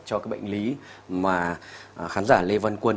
cho cái bệnh lý mà khán giả lê văn quân